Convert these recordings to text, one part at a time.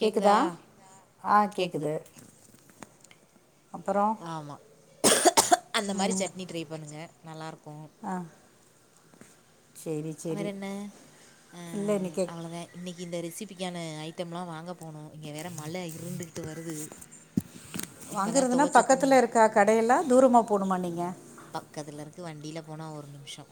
கேட்குதா ஆ கேட்குது கேக்குது அப்புறோ ஆமா அந்த மாரி சட்னி ட்ரை பண்ணுங்க நல்லாருக்கு ஆ சேரி சேரி அவரென்ன அ இல்ல இன்னைக்கு அவளதே இன்னக்கி இந்த ரெசிபிக்கான ஐட்டம்லா வாங்க போணு இங்க வேற மழ இருண்டுகிட்டு வருது இப்போ தான் வாங்குறதுன்னா துவைச்ச துணி பக்கத்துல இருக்க கடையெல்லா தூரமா போணுமா நீங்க பக்கத்துல இருக்கு வண்டில போனா ஒரு நிமிஷம்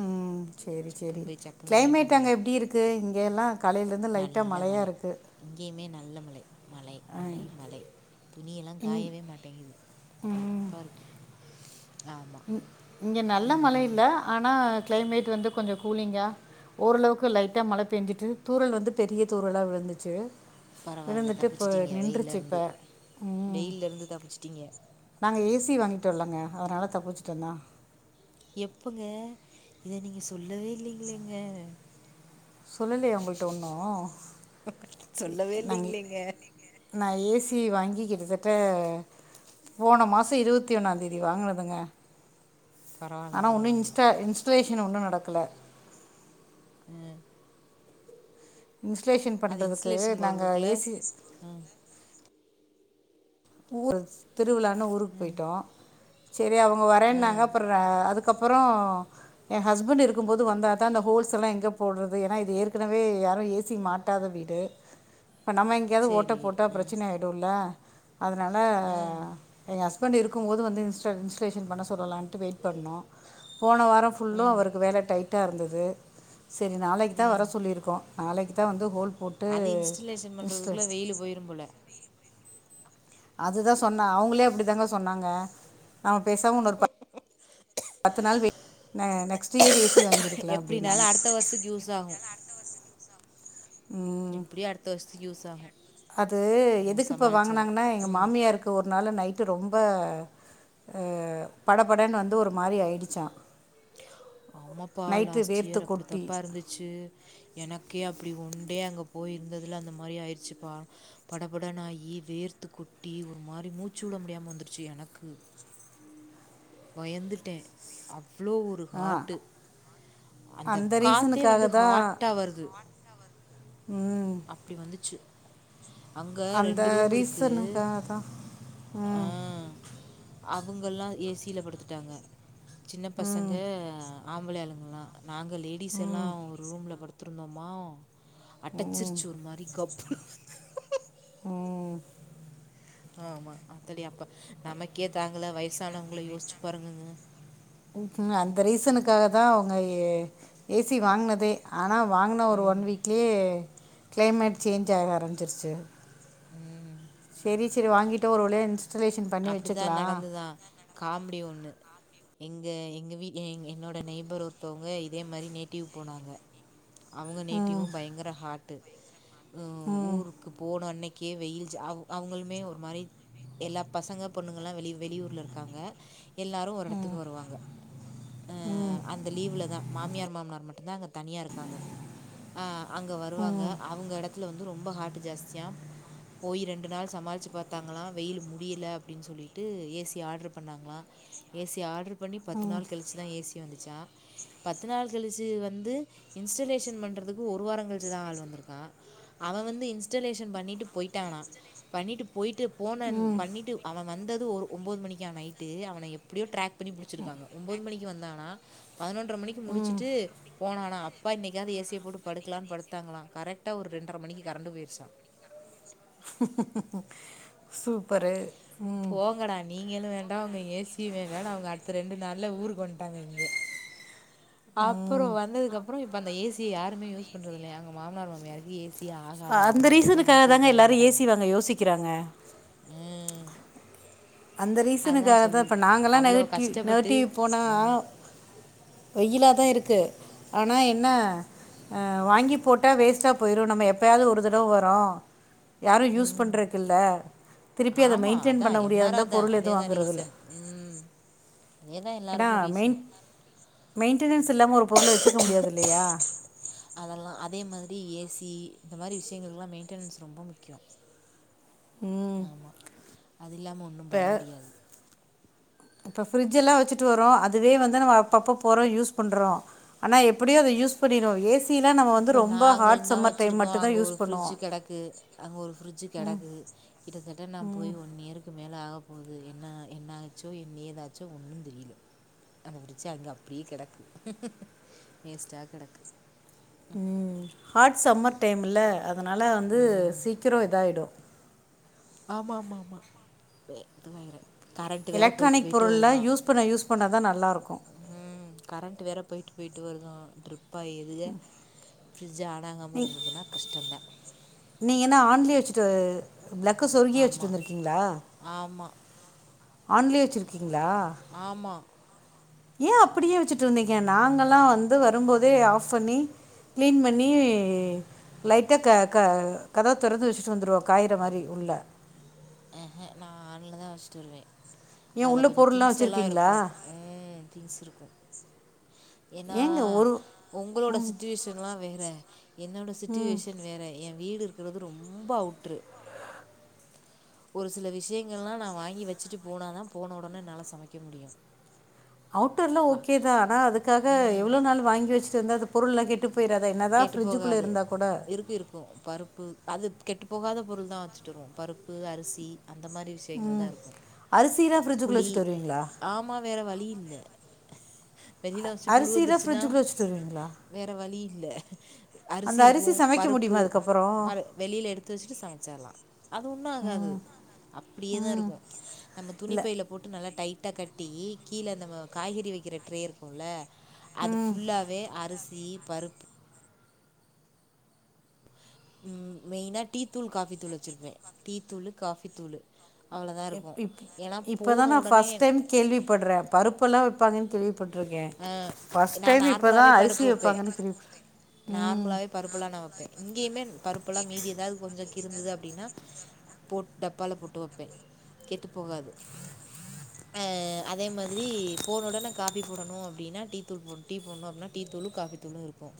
ம் சேரி சேரி சக்குன்னு போய் சக்குன்னு வாங்கிட்டு க்ளைமேட் அங்க வந்துடுவேன் எப்டி இருக்கு இங்கெல்லா நல்ல மழை இங்கயுமே நல்ல மழை மழை ஆ மழை மழை துணியெல்லா இங் காயவே மாட்டேங்குது கடுப்பா இருக்கு இங்க நல்ல மழ ஆமாம் இல்ல ஆனா கிளைமேட் வந்து கொஞ்சோ கூலிங்கா ஓரளவுக்கு லைட்டா மழ பெய்ஞ்சுட்டு தூறல் வந்து பெரிய தூறலா விழுந்துச்சு பரவாயில்ல விழுந்துட்டு இப்ப தப்பிச்சிட்டிங்க நின்றுச்சு இப்ப வெயில்லேருந்து ம் வெயில்லேருந்து தப்பிச்சிட்டிங்க நாங்க ஏ சி வாங்கிட்டோலங்க அதனால தப்பிச்சுட்டோந்தா எப்பங்க இத நீங்க சொல்லவே இல்லிங்களேங்க சொல்லலைய உங்கள்ட்ட ஒன்னு சொல்லவே நாங்க இல்லைங்களேங்க நா ஏ சி வாங்கி கிட்டதிட்ட போன மாசோ இருவத்தி ஒன்னா தேதி வாங்கனதுங்க பரவாயில்ல ஆனா ஒன்னு பரவாயில்ல இன்டா இன்ஸ்டலேஷன் ஒன்னு நடக்கல அ இன்ஸ்டலேஷன் அது பண்றதுக்கு இன்ஸ்டலேஷன் நாங்க போகிறதுக்குள்ள ஏ சி ம் ஊரு திருவிழான்னு ஊருக்கு போய்ட்டோ சரி அவுங்க வரேன்னாங்க ம் அப்றோ அதுக்கப்புறோ ஏ ஹஸ்பண்ட் இருக்கு போது வந்தா தா அந்த ஹோல் எல்லா எங்க போடுறது ஏனா இது ஏற்கனவே யாரோ ஏசி மாட் ஒட்டாத வீடு இப்ப நம்ம எங்கயாவுது ஓட்ட சரி போட்டா ம் பிரச்சன ஆயிடுல அதனால ம் எங்க ஹஸ்பண்ட் இருக்குபோது வந்து இன்ஸ்டா இன்ஸ்டலேஷன் பண்ண சொல்லலான் ட்டு வெயிட் பண்ணோ போன வாரோ ஃபுல்லு ம் அவருக்கு வேல டைட்டா இருந்துது செரி நாளைக்கு தா வர ம் சொல்லியிருக்கோ நாளைக்கு தா வந்து ஹோல் போட்டு அது இன்ஸ்டலேஷன் பண்றதுக்குள்ள இன்ஸ்டல் வெயிலு போயிருபோல அதுதா சொன்ன அவுங்களே அப்டி தாங்க சொன்னாங்க நம்ம பேசமா இன்னொரு பத்து நாள் wait next year A C வாங்கியிருக்குலா அப்டின்னாங்க பஸ்க்கு யூஸ் ஆகு ம் எப்டியோ அடுத்த வருஷோத்துக்கு யூஸ் ஆகு அது எதுக்கு இப்ப வாங்கனாங்கன்னா எங்க ம் மாமியாருக்கு ஒரு நாள் நைட்டு ரொம்ப படப்படன்னு வந்து ஒரு மாரி ஆய்டு ஆமாப்பா நைட்டு லாஸ்ட் வேர்த்து இயர் அப்டி கொட்டி தாப்பா இருந்துச்சு ச்சீ எனக்கே அப்டி ஒண்டே அங்க போய் இருந்ததுல அந்த மாதிரி ஆயிடுச்சுப்பா படபடனாயி வேர்த்து கொட்டி ஒரு மாதிரி மூச்சு விட முடியாம வந்துருச்சு எனக்கு பயந்துட்டே அவ்ளோ ஒ ரு ஆ, ஹாட்டு அந்த காத்தே ரீசனுக்காக வந்து தான் ஹாட்டா வருது ம் அப்டி வந்துச்சு அங்க அந்த ரெண்டு ரூம் இருக்கு ரீசனுக்காக தான் ஆ ம் அவங்களா ஏ சில படுத்துட்டாங்க சின்ன பசங்க ம் ஆம்பளை ஆளுங்கலா நாங்க லேடிஸ் எல்லா ம் ஒரு ரூம்ல படுத்துருந்தோமா ம் அடச்சிருச்சி ஒரு மாரி கப் பு ம் ஆமா ஆத்தாடி அப்ப நமக்கே தாங்கல வயசானவங்கள யோசிச்சு பாருங்கங்க அந்த ரீசனுக்காக தா அவுங்க எ ஏ சி வாங்குனதே ஆனா வாங்கின ஒரு ம் ஒன் வீக்லே கிளைமேட் சேஞ்ச் ஆக ஆரம்பிச்சிருச்சு ம் செரி சேர் வாங்கிட்டு ஒரு வழியா இன்ஸ் அப்டிதா நடந்த தா காமெடி ஒன்னு எங்க எங்க வீட் என்னோட நெய்பர் ஒருத்தவங்க இதே மாரி நேட்டிவ் போனாங்க அவங்க ம் நேட்டிவு பயங்கர ஹாட்டு ம் ஊரு க்கு போன அன்னைக்கே வெயில் ஜாவு அவுங்களுமே ஒரு மாரி எல்லா பசங்க பொண்ணுங்கலாமே வெளி வெளியூர்ல இருக்காங்க எல்லாரு ஒரு எடத்துக்கு வருவாங்க அ அந்த லீல்ல தா மாமியார் மாமனார் மட்டுதா அங்க தனியாக இருக்காங்க ஆ அங்க வருவாங்க ம் அவங்க எடத்துல வந்து ரொம்ப ஹார்ட்டு ஜாஸ்தியா போய் ரெண்டு நாள் சமாளிச்சு பாத்தாங்களா வெயிலு முன் முடியல அப்டின் சொல்லிட்டு ஏ சி ஆட்ரு பண்ணாங்களா ஏ சி ஆட்ரு பண்ணி பத்து ம், நாள் கழிச்சுதா ஏ சி வந்தச்சா பத்து நாள் கழிச்சி வந்து இன்ஸ்டலேஷன் பண்றதுக்கு ஒரு வார கழிச்சிதா ஆள் வந்துருக்கா அவ வந்து இன்ஸ்டலேஷன் பண்ணிட்டு பொயிட்டானா பண்ணிட்டு பொயிட்டு போனன் ம் டு அவ வந்தது ஒரு ஒம்போது மணிக்கான நைட்டு அவன எப்டியோ ட்ராக் பண்ணி புடிச்சிருக்காங்க ஒம்பது மணிக்கு வந்தானா பதனொன்ற மணிக்கு முடிச்சுட்டு போனானா அப்பா இன்னிக்காது ஏ சிய போட்டு படுக்கலான் படுத்தாங்களா கரெக்டாக ஒரு ரெண்டர மணிக்கு கரண்டு பொயிர்ச்சா சூப்பரு ம் போங்கடா நீங்களு வேண்டா ஒங்க ஏ சியு வேணா அவங்க அடுத்த ரெண்டு நாள்ல ஊருக்கு வன்ட்டாங்க இங்க அப்றோ ம் வந்ததுக்கப்றோ இப்ப அந்த ஏ சிய யாருமே யூஸ் பண்றதில்லையா அங்க மாமனார் மாமியாருக்கு ஏ சி ஹ அந்த ரீசனுக்காக தாங்க எல்லாரு மாட்டாங்க ஏசி வாங்க யோசிக்கிறாங்க ம் அந்த அதான் ரீசனுக்காகத்தா சொல்லி இப்ப நாங்கள்லா அவ்வளோ நெருட்டிவ் கஷ்டப்பட்டு நேட்டிவ் போனா ம் வெய்யிலாதா இருக்கு ஆனா என்ன அ வாங்கி போட்டா வேஸ்ட்டா பொயிரு நம்ம எப்பயாது ஒரு தர வரோ யாரு யூஸ் ம் பண்றக்கில்ல திருப்பி அத ஆமாம் மெயின்டெயின் பண்ண அதான் முடியாது எல்லாரும் தா அதான் அதே தான் ரீசன் ம் அதே தான் எடா எல்லாருக்கும் மெயின் ரீசன் மெயின்டெனன்ஸ் இல்லாம ஒரு பொருள வச்சுக்க முடியாது இல்லையா அதலா அதே மாதிரி ஏஸசி இந்த மாரி விஷயங்களுக்குலா மெயின்டெனன்ஸ் ரொம்ப முக்கியோ ஆமா அது இல்லாம ஒன்னு பண்ண முடியாது அப்ப பிரிட்ஜெல்லா வெச்சிட்டு வரோ அதுவே வந்து நம்ம அப்பப்ப போறோ யூஸ் பண்றோ ஆனா எப்டியோ அத யூஸ் பண்ணிறோ ஏ இப்ப நாங்களுதா வச்சிருக்கோ அங்க மட்டும்தான் யூஸ் ஒரு ப்ரிட்ஜு பண்ணுவோம் கெடக்கு அங்க ஒரு ப்ரிட்ஜு கெடக்கு கிட்டத்தட்ட நா போய் ஒன் இயர்க் க்கு மேலே ஆகப் போகுது என்னா என்னா ஆச்சோ என் ஏதாச்சோ ஒன்னு தெரியல அந்த ஃப்ரிட்ஜ் அங்க அப்புடியே கெடக்கு வேஸ்ட்டா கெடக்கு ம் ஹாட் சம்மர் டைம்ல அதனால வந்து ம் சீக்கிரோ இதாயிடு ஆமாமாமா பே இதுவேற எலக்ட்ரானிக் பொருள்லா யூஸ் பண்ண யூஸ் பண்ணதா நல்லாருக்கு ம் கரண்ட்டு வேறு பொய்ட்டு பொய்ட்டு வருது ட்ருப்பா இதுக ஃப்ரிட்ஜ் ஆடாங்காம இருந்துதுன்னா கஷ்ட்டோந்தா நீங்க இன்னா ஆன்லே வச்சுட்டு ப்ளக்க சொருகியே வச்சுட் வந்துருக்கீங்ளா ஆமா ஆன்லே வச்சிருக்கீங்ளா ஆமா ஏ அப்புடியே வச்சுட் வந்திங்க நாங்கல்லா வந்து வரும்போதே ஆஃப் பண்ணி க்ளீன் பண்ணி லைட்டா க க கதவு தெறந்து வச்ட்டு வந்துருவோ காயிற மாரி உள்ள அ ஹ நா ஆன்லதா வஷ்ட்டு வருவே ஏன் அதுல உள்ளே கொஞ்ச பொருள்லாம் திங்ஸ் எல்லா வச்சுருக்கீங்களா இருக்கு ம் திங்ஸ் இருக்கு ஏன்னா ஏங்க ஒரு உங்களோட ம் சுட்டிவேஷன்லா வேற என்னோட ம் சுட்சுவேஷன் வேற ஏ வீடு இருக்குறது ரொம்ப அவுட்ரு ஒரு சில விஷ்யங்கள்லா நா வாங்கி வச்சுட்டு போனாதா போன உடன என்னால சமைக்க முடியு அவுட்டர்லாமல ஓகே தா ஆனா அதுக்காக ம் எவ்ளோ நாளு வாங்கி வச்சுட் இருந்தா அந்த அது பொருள்லா கேட்டுப் கெட்டு போகாது இருக்கு இருக்கு பருப்பு அது கெட்டு போகாத பொருள் தா வச்சுட் வருவோ பருப்பு அரிசி அந்த மாரி ம் விஷயங்கள்தா இருக்கு அரிசிலாம் ஃப்ரிட்ஜுக்குள்ளே புளி வச்சுட்டு வருவீங்களா ஆமா வேற வழி இல்ல வெளில அ- வச்சி புழு அரிசிலாம் வந்துருச்சின்னா ஃப்ரிட்ஜுக்குள்ளே வச்சுட்டு வருவீங்களா வேற வழி இல்ல அரிசி அந்த இருக்கும் சமைக்க பருப்பு முடியுமா அதுக்கப்புறம் பரு வெளியில எடுத்து வச்சுட்டு சமைச்சற்லா அது ஒன்னு ஆகாது ம் அப்புடியே தா ம் இருக்கு நம்ப இல்லை துனிப்பைல போட்டு நல்லா டைட்டா கட்டி கீழ தம்ம காய்கறி வக்கிற ட்ரே இருக்குல்ல அது ம் ஃபுல்லாவே அரிசி பருப் மெயினா டீ தூள் காஃபி தூள் வச்சுருப்பே டீ தூளு காஃபி தூளு இப்டி இப்போதா போன நா உடனே ஃபஸ்ட் டைம் கேள்விப்பட்ற பருப்பெல்லா வெப்பாங்கன் கேள்விப்பட் இருக்க ஆ ஃபர்ஸ்ட் நான் டைம் இப்பதா நார்மலாவே அரிசி பருப்பு வப்பே வைப்பாங்கன்னு கேள்வி நார்மலாவே பருப்புல்லா நா வைப்ப இங்கேயுமே பருப்புல்லா மீதி ஏதாவது கொஞ்ச கிருந்தது அப்டின்னா போட் டப்பால போட்டு வைப்ப கெட்டு போகாது அதே மாதிரி போனோடனே காபி போடணும் அப்டின்னா டீ தூள் போடணும் டீ போடணும் அப்டினா டீ தூளும் காஃபி தூளும் இருக்கும்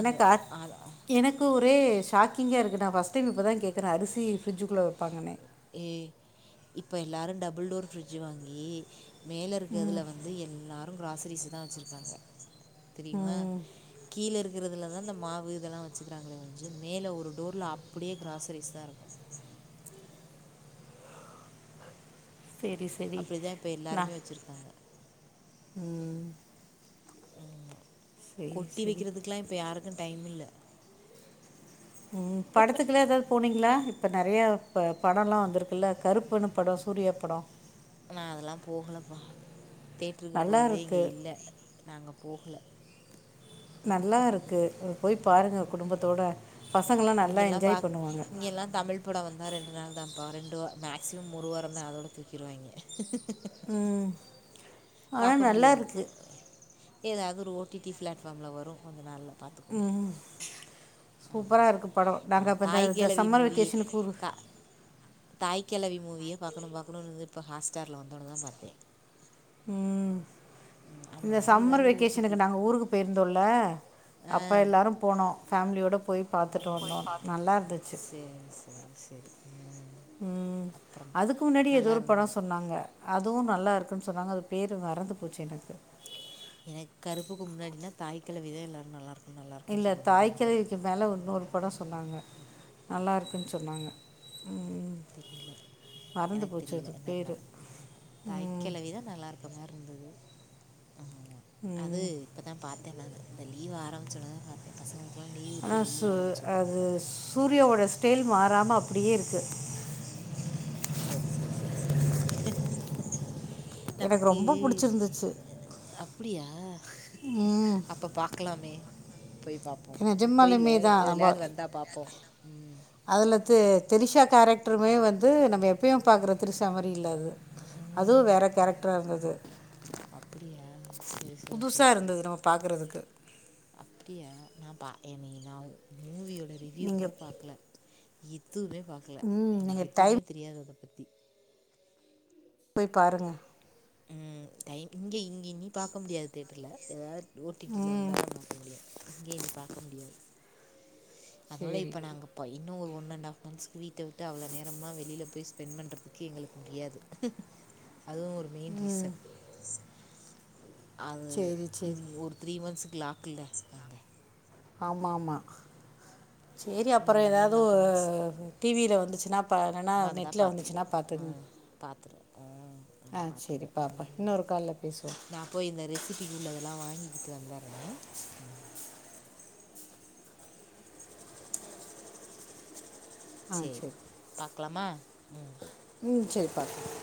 எனக்கா எனக்கு எனக்கு ஒரே ஷாங்காக இருக்கு நா ஃபர்ஸ் டைம் இப்ப தா கேக்குற அரிசி ஃப்ரிஜுக்குள்ள வைப்பாங்கனு ஏ இப்ப எல்லாரு டபுள் டோர் பிரிட்ஜ் வாங்கி மேல ம் இருக்கிறதுல வந்து ந்து எல்லாரு கிராசரிஸ்தா வச்சிருக்காங்க தெரியுமா ம் கீழே இருக்குறதுலதா இந்த மாவு இதல்லா வச்சுக்கறாங்களே ஒழிஞ்சு மேலே ஒரு டோர்ல அப்புடியே க்ராசரிஸ்தா இருக்கு சரி சரி அப்புடிதா இப்ப நான் எல்லாருமே வச்சிருக்காங்க ம் ம் சரி கொட்டி சரி வக்கிறதுக்ல்லா இப்ப யாருக்கு டைம் இல்ல ம் படத்துக்குல்லா எதாவ்து போனீங்ளா இப்ப நறையா ப படோல்லா வந்துருக்குல்லல கருப்புன் படோ சூரியா படோ நான் அதல்லா போகலப்பா தேட்ருக்கு நல்லா போறதே இங்க இருக்குது இல்ல நாங்க போகுல நல்லாருக்கு நீங்க போய் பாருங்க குடும்பத்தோட பசங்கலா நல்லா இங்கெல்லாம் என்ஜாய் பாக் பண்ணுவாங்க இங்கெல்லாம் தமிழ் படோ வந்தா ரெண்டு நாள்தான்பா ரெண்டு வ மேக்ஸிமம் ஒரு வாரந்தா அதோட தூக்கிருவாய்ங்க ம் ஆனால் பாக்க நல்லா முடியாது இருக்குது ஏதாது ஓ தி ஓடிடி ப்ளாட்ஃபாம்ல வரு கொஞ்ச நாள்ல ம் சூப்பரா ஆமாம் இருக்கு படோ நாங்க அப்ப இந்த த இந்த சம்மர் வெக்கேஷனு உரு தாய்ககெழவி மூவிய பாக்கணு பாக்கனுர்ந்து இப்போ ஹாஸ்ஸ்டார்ல வந்தோனதா பாத்தே ம் ம், அந்த இந்த மாதிரி சம்மர் ஏதாவது ஒரு ஓடிடி வெகேஷனுக்கு நாங்க ஊருக்கு போயிருந்தோல்ல ஆ அப்ப எல்லோரும் போனோ ஃபேமிலியோட போய் பாத்துட்டு வந்தோ நல்லா இருந்துச்சு செரி செரி செரி ம் அதுக்கு முன்னாடி ஏதோ ஒரு படோ இருந்தது சொன்னாங்க அதுவும் நல்லா இருக்குன்னு சொன்னாங்க அது பேர் மறந்து போச்சு எனக்கு எனக்கு கருப்புக்கு முன்னாடினா தாய்க்கெழவிதா எல்லாரு நல்லா இருக்கு நல்லா இருக்கும்னு சொன்ன மாதிரி இருந்தது மேல உன்னொரு பட சொன்னாங்க நல்லாருக்குன்னு சொன்னாங்க தெரில மறந்து எனக்கு போச்சு தெரில அது என்ன பேர் படனு தாய்க்கெழவிதா நல்லா இருக்க மார்ருந்தது ஆமா அது இப்பதா பாத்த நானு இந்த லீவ் ஆரம்பிச்சோன்னதா பாத்த பசங்களுக்குலாம் லீவ் விட்டு ஆனால் லீவ் சு ஆரம்பிச்சோனாதா அது பாத்த சூர்யாவோட ஸ்டெய்ல் மாறாம அப்டியே இருக்கு ம் செரி செரி செரி செரி செரி எனக்கு நமக்கு ரொம்ப பிடிச்சிருந்துச்சு அ அப்டியா ம், அப்ப பாக்கலாமே போய் பாப்போ இப்போ இல்ல நிஜமாலுமே தான் எதுலயாவது வந்தா பாப்போ ம் அதலத்து திரிஷா கேரக்டருமே வந்து நம்ம எப்பயும் பாக்குற திரிசா மாரி இல்ல அது அதுவு ம் வேற கேரக்டரா இருந்தது அப்டியா செரி செரி செரி செரி பாக்குறதுக்கு அப்டியா நா பாக்கல [unintelligible] மூவியோட ரிவ்யூ கூட நீங்கள் பாக்கல எதுமே பாக்கல ம் எனக்கு நீங்கள் எதுவுமே டைம் தெரியாது அத பத்தி போய் பாருங்க ம் டைம் இங்க இங்கினி பாக்க முடியாது தியேட்டர்ல ஏதாவது ஓடிடில வந்தாதா பாக்க முடியு இங்க இனி பாக்க முடியாது அதோட சரி இப்ப நாங்க இப்ப இன்னோ ஒரு ஒன் அண்ட் ஹாஃப் மந்த்ஸ்கு வீட்ட விட்டு அவ்வள நேரம்லா வெளில போய் ஸ்பெண்ட் பண்ணுறதுக்கு எங்களுக்கு முடியாது அதுவும் ஒரு மெயின் ரீசன் அது சரி சரி இன் ஒரு த்ரீ மன்ஸ்சுக்கு லாக்குல நாங்க ஆமா ஆமா சேரி அப்பறோ இன்னொரு ஒன் ஏதாவது அண்ட் ஒ ஆஃப் மந்த்ஸ் டிவில வந்துச்சுன்னா பாருனா நெட்ல வந்துச்சுன்னா பாத்துக்குங்க பாத்துரு ம் நாங்க சரி பாத்துக்குவோ பார்ப்பேன் ம் இன்னொரு காலில் பேசுவோம் நா போய் இந்த ரெசிபிக்கு உள்ளதெல்லாம் வாங்கிக்கிட்டு வந்தறேன் ம் ஆ சேர் சரி பாக்கலாமா ம் ம் சேர் பாக்கலா